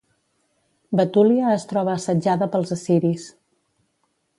Betúlia es troba assetjada pels assiris.